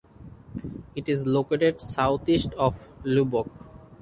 It is located southeast of Lubbock.